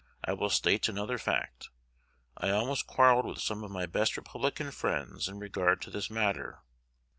I will state another fact, I almost quarrelled with some of my best Republican friends in 'regard to this matter.